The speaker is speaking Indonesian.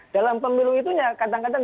dalam pemilu itunya kadang kadang